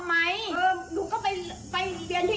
หนูจะไปโรงเรียนทำไม